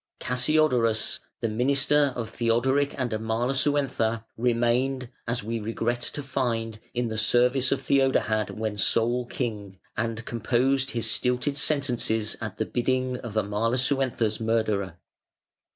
Cassiodorus, the minister of Theodoric and Amalasuentha, remained, as we regret to find, in the service of Theodahad when sole king and composed his stilted sentences at the bidding of Amalasuentha's murderer.